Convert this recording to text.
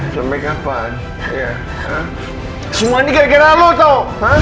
sampai kapan ya semua nih gara gara lu tau